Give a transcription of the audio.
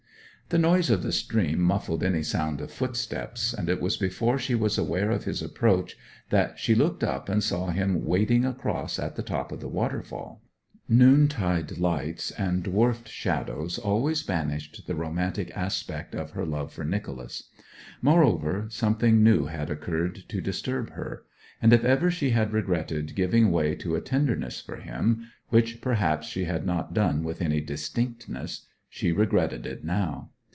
The noise of the stream muffled any sound of footsteps, and it was before she was aware of his approach that she looked up and saw him wading across at the top of the waterfall. Noontide lights and dwarfed shadows always banished the romantic aspect of her love for Nicholas. Moreover, something new had occurred to disturb her; and if ever she had regretted giving way to a tenderness for him which perhaps she had not done with any distinctness she regretted it now.